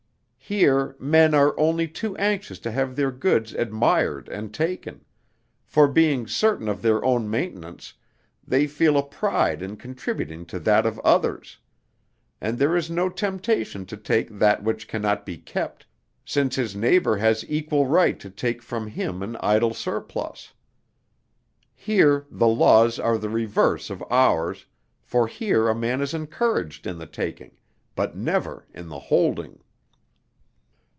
Here, men are only too anxious to have their goods admired and taken; for, being certain of their own maintenance, they feel a pride in contributing to that of others, and there is no temptation to take that which can not be kept, since his neighbor has equal right to take from him an idle surplus. Here the laws are the reverse of ours, for here a man is encouraged in the taking, but never in the holding.